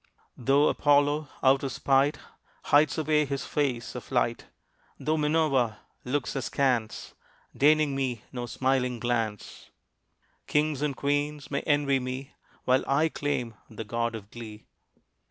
Though Apollo, out of spite, Hides away his face of light. Though Minerva looks askance, Deigning me no smiling glance, Kings and queens may envy me While I claim the god of glee.